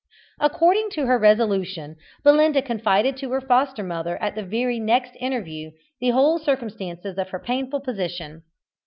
According to her resolution, Belinda confided to her foster mother at the very next interview the whole circumstances of her painful position.